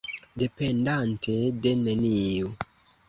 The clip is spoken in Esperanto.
Dependante de neniu!